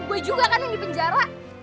gue juga kan yang di penjara